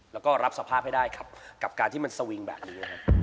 แล้วก็รับสภาพให้ได้กับการที่มันสวิงแบบนี้